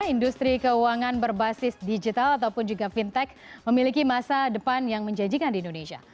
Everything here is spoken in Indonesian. industri keuangan berbasis digital ataupun juga fintech memiliki masa depan yang menjanjikan di indonesia